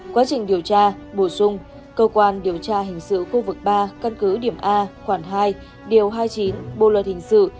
quá trình điều tra bổ sung cơ quan điều tra hình sự khu vực ba căn cứ điểm a khoảng hai điều hai mươi chín bộ luật hình sự